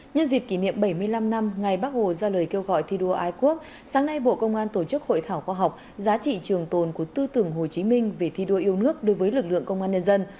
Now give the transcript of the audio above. nhân dịp kỷ niệm bảy mươi năm năm ngày bác hồ ra lời kêu gọi thi đua ái quốc sáng nay bộ công an tổ chức hội thảo khoa học giá trị trường tồn của tư tưởng hồ chí minh về thi đua yêu nước đối với lực lượng công an nhân dân